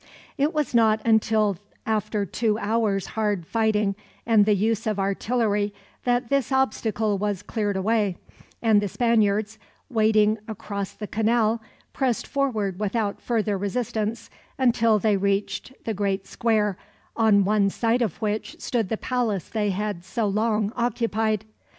It was not until after two hours' hard fighting, and the use of artillery, that this obstacle was cleared away; and the Spaniards, wading across the canal, pressed forward without further resistance, until they reached the great square, on one side of which stood the palace they had so long occupied.